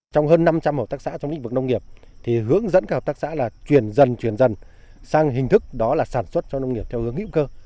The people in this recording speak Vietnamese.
trong hơn năm trăm linh hợp tác xã trong lĩnh vực nông nghiệp thì hướng dẫn các hợp tác xã là chuyển dần chuyển dần sang hình thức đó là sản xuất cho nông nghiệp theo hướng hữu cơ